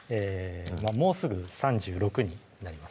もうすぐ３６になります